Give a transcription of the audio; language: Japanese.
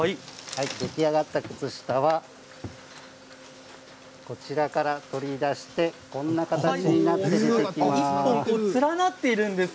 出来上がった靴下はこちらから取り出してこんな形になっています。